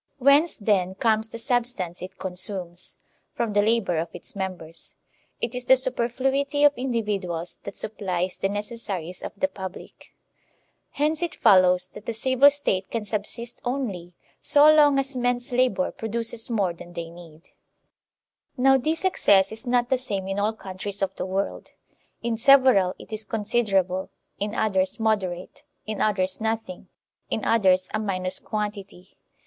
Whence, then, comes the substance it consumes ? From the labor of its mem bers. It is the superfluity of individuals that supplies the necessaries of the public. Hence it follows that the civil State can subsist only so long as men's labor produces more than they need. TO THE SOCIAL CONTRACT Now this excess is not the same in all countries of the world. In several it is considerable, in others moderate, in others nothing, in others a minus quantity.